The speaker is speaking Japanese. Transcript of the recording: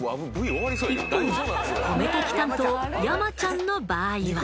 一方米炊き担当山ちゃんの場合は。